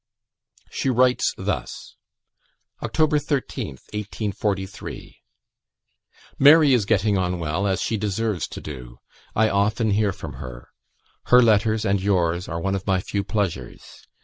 She writes thus: "October 13th, 1843 "Mary is getting on well, as she deserves to do. I often hear from her. Her letters and yours are one of my few pleasures.